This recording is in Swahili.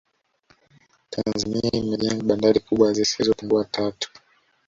Tanzania imejenga bandari kubwa zisizo pungua tatu